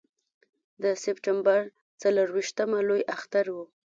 د سپټمبر څلرویشتمه لوی اختر و.